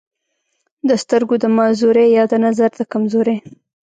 دَسترګو دَمعذورۍ يا دَنظر دَکمزورۍ